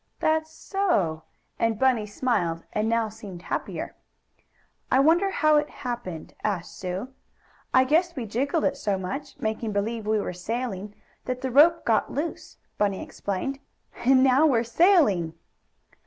"That's so," and Bunny smiled now and seemed happier. "I wonder how it happened?" asked Sue. "I guess we jiggled it so much, making believe we were sailing, that the rope got loose," Bunny explained. "And now we're sailing!"